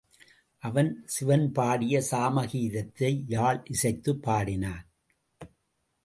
அவன் சிவன்பாடிய சாம கீதத்தை யாழ் இசைத்துப் பாடினான்.